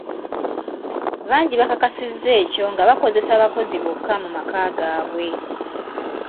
Bangi bakakasizza ekyo nga bakozesa bakozi bokka mu maka gaabwe.